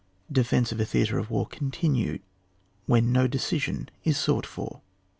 DEFENCE OF A THEATRE OF WAE (ooktinukd). WHEN NO DECISION IB SOUGHT FOB.